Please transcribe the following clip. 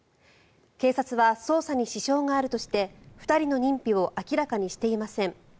警察は捜査に支障があるとして２人の認否を明らかにしていません。